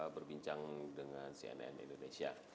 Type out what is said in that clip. berbincang dengan cnn indonesia